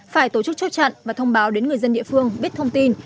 phải tổ chức chốt chặn và thông báo đến người dân địa phương biết thông tin